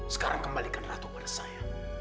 sekarang kembalikan ratu kepada saya